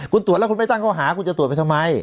คุณตรวจแล้วคุณไม่ตั้งข้อหาคุณจะตรวจไปทำไม